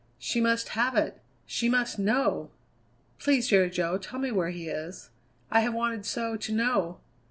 She must have it; she must know! "Please, Jerry Jo, tell me where he is. I have wanted so to know!